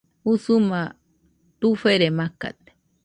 Usuma tufere macade